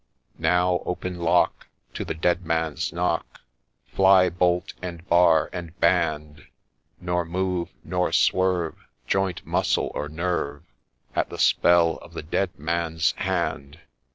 ' Now open lock To the Dead Man's knock ! Fly bolt, and bar, and band !— Nor move, nor swerve Joint, muscle, or nerve, At the spell of the Dead Man's hand